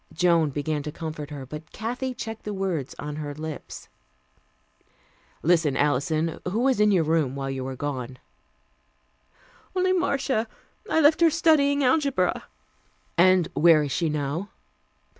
Joan began to comfort her, but Kathy checked the words on her lips. "Listen, Alison. Who was in your room while you were gone?" "Only Marcia. I left her studying algebra." "And where is she now?"